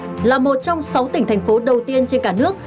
trước ngày một tháng sáu là một trong sáu tỉnh thành phố đầu tiên trên cả nước